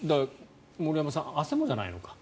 森山さんはあせもじゃないのか。